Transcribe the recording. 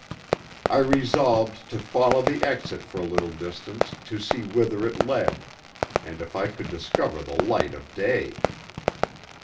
I resolved to follow the exit for a little distance to see whither it led, and if I could discover the light of day.